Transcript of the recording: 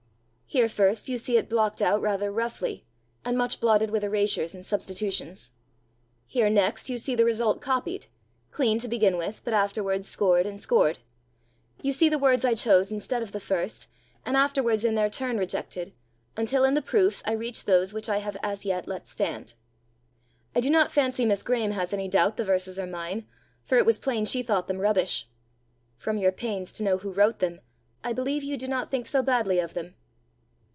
Here first you see it blocked out rather roughly, and much blotted with erasures and substitutions. Here next you see the result copied clean to begin with, but afterwards scored and scored. You see the words I chose instead of the first, and afterwards in their turn rejected, until in the proofs I reached those which I have as yet let stand. I do not fancy Miss Graeme has any doubt the verses are mine, for it was plain she thought them rubbish. From your pains to know who wrote them, I believe you do not think so badly of them!"